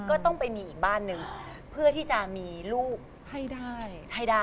ก็ต้องไปมีอีกบ้านหนึ่งเพื่อที่จะมีลูกให้ได้ให้ได้